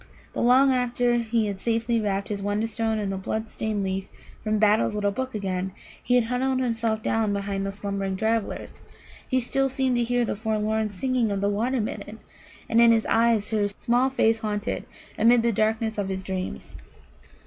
But long after he had safely wrapped his Wonderstone in the blood stained leaf from Battle's little book again, and had huddled himself down beside the slumbering travellers, he still seemed to hear the forlorn singing of the Water midden, and in his eyes her small face haunted, amid the darkness of his dreams.